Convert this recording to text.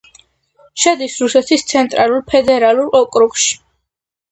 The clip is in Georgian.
შედის რუსეთის ცენტრალურ ფედერალურ ოკრუგში.